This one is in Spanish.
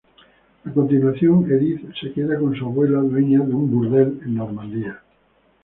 A continuación, Édith se queda con su abuela, dueña de un burdel en Normandía.